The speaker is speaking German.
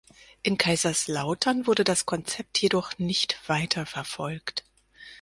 In Kaiserslautern wurde das Konzept jedoch nicht weiterverfolgt.